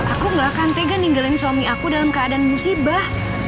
aku gak akan tega ninggelamin suami aku dalam keadaan musibah